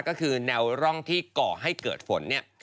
ก็คือแนวร่องที่ก่อให้เกิดฝนเนี่ย